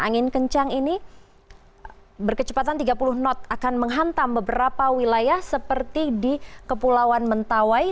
angin kencang ini berkecepatan tiga puluh knot akan menghantam beberapa wilayah seperti di kepulauan mentawai